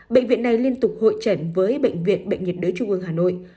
bệnh viện này liên tục hội trần với bệnh viện bệnh nhiệt đới trung ương hà nội